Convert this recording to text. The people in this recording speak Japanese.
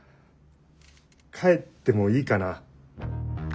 帰ってもいいかな？